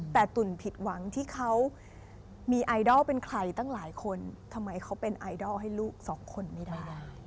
แต่ตุ๋นผิดหวังที่เขามีไอดอลเป็นใครตั้งหลายคนทำไมเขาเป็นไอดอลให้ลูกสองคนไม่ได้